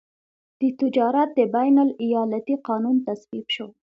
د تجارت د بین الایالتي قانون تصویب شو.